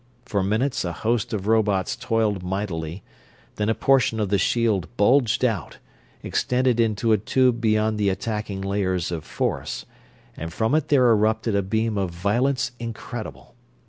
For minutes a host of robots toiled mightily, then a portion of the shield bulged out, extended into a tube beyond the attacking layers of force, and from it there erupted a beam of violence incredible.